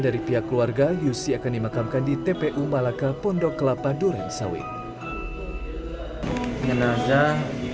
dari pihak keluarga yusi akan dimakamkan di tpu malaka pondok kelapa durensawit jenazah